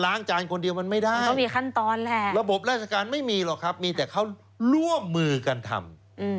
ล้างจานคนเดียวมันไม่ได้ระบบราชการไม่มีหรอกครับมีแต่เขารั่วมือกันทำ